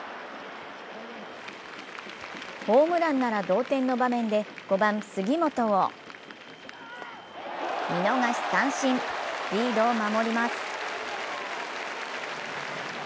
ホームランなら同点の場面で、５番・杉本を見逃し三振、リードを守ります。